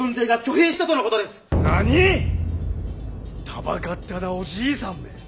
たばかったなおじいさんめ。